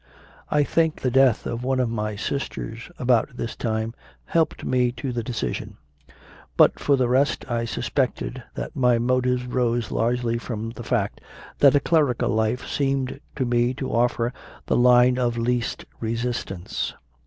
I think the death of one of my sisters about this time helped me to the decision. But, for the rest, I suspect that my motives rose largety from the fact that a clerical 28 CONFESSIONS OF A CONVERT life seemed to me to offer the line of least resistance.